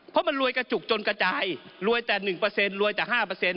เพราะมันรวยกระจุกจนกระจายรวยแต่๑รวยแต่๕